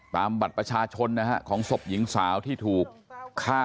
บัตรประชาชนนะฮะของศพหญิงสาวที่ถูกฆ่า